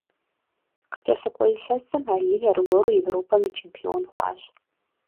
КъыкӀэлъыкӀуэ илъэсым Алий аргуэру Европэм и чемпион хъуащ.